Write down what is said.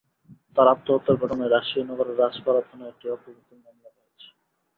তার আত্মহত্যার ঘটনায় রাজশাহী নগরের রাজপাড়া থানায় একটি অপমৃত্যুর মামলা হয়েছে।